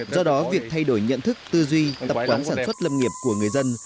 do đó việc thay đổi nhận thức tư duy tập quán sản xuất lâm nghiệp của người dân